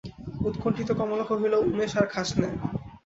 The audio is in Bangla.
উৎকণ্ঠিত কমলা কহিল, উমেশ, আর খাস নে।